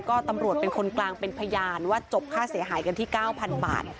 ก็ตำรวจเป็นคนกลางเป็นพยานว่าจบค่าเสียหายกันที่๙๐๐บาท